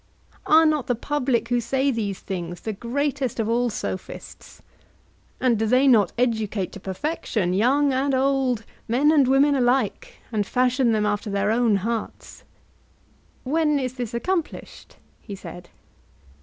Are not the public who say these things the greatest of all Sophists? And do they not educate to perfection young and old, men and women alike, and fashion them after their own hearts? When is this accomplished? he said.